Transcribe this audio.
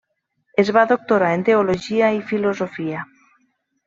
Es va doctorar en Teologia i Filosofia.